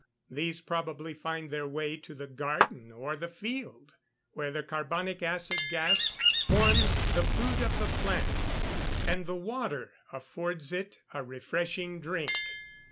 These probably find their way to the garden or the field, where the carbonic acid gas forms the food of the plant, and the water affords it a refreshing drink.